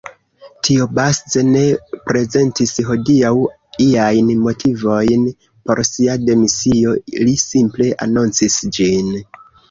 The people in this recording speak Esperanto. Tobiasz ne prezentis hodiaŭ iajn motivojn por sia demisio, li simple anoncis ĝin.